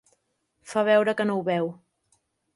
Fa veure que no ho veu.